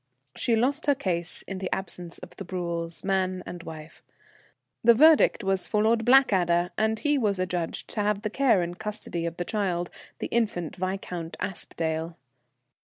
She lost her case in the absence of the Bruels, man and wife. The verdict was for Lord Blackadder, and he was adjudged to have the care and custody of the child, the infant Viscount Aspdale.